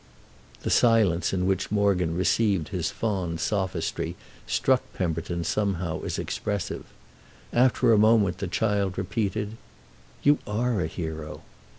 The silence in which Morgan received his fond sophistry struck Pemberton somehow as expressive. After a moment the child repeated: "You are a hero!"